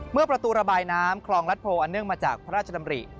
ประตูระบายน้ำคลองรัฐโพออันเนื่องมาจากพระราชดำริ